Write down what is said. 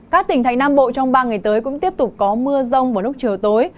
các tỉnh thành nam bộ trong ba ngày tới cũng tiếp tục có mưa rông vào lúc chiều tối